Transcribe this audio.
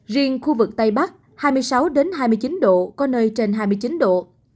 riêng khu vực tây bắc hai mươi sáu hai mươi chín độ có nơi trên hai mươi chín độ